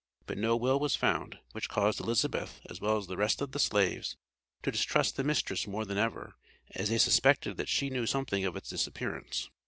But no will was found, which caused Elizabeth, as well as the rest of the slaves, to distrust the mistress more than ever, as they suspected that she knew something of its disappearance.